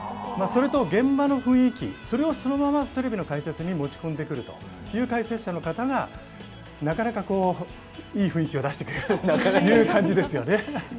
それと現場の雰囲気、それをそのままテレビの解説に持ち込んでくるという解説者の方がなかなかこう、いい雰囲気を出してくれるという感じですよね。